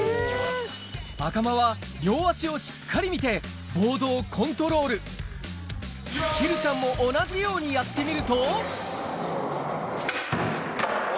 赤間は両足をしっかり見てボードをコントロールひるちゃんも同じようにやってみるとお！